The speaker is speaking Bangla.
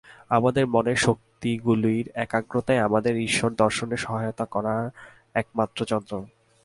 আমাদের মনের শক্তিগুলির একাগ্রতাই আমাদের ঈশ্বরদর্শনে সহায়তা করবার একমাত্র যন্ত্র।